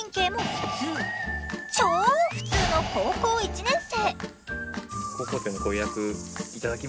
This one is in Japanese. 超普通の高校１年生。